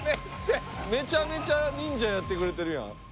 めちゃめちゃ忍者やってくれてるやん。